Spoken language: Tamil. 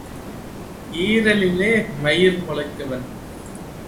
ஈரலிலே மயிர் முளைத்தவன்.